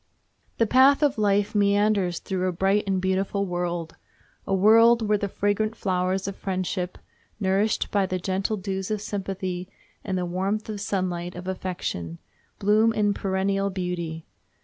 The path of life meanders through a bright and beautiful world—a world where the fragrant flowers of friendship, nourished by the gentle dews of sympathy and the warm sunlight of affection, bloom in perennial beauty.